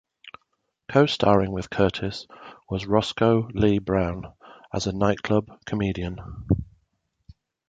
Co-starring with Curtis was Roscoe Lee Browne as a nightclub comedian.